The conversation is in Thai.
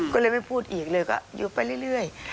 ก็เลยไม่พูดอีกเลยก็หยุดไปเรื่อย